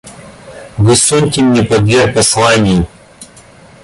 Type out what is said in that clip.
Вы суньте мне под дверь посланье.